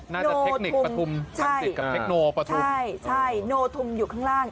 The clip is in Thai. เทคนิคปฐุมรังสิตกับเทคโนปฐุมใช่ใช่โนธุมอยู่ข้างล่าง